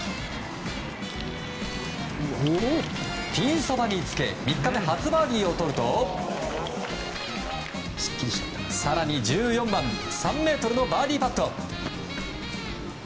ピンそばにつけ３日目初バーディーをとると更に１４番３ｍのバーディーパット。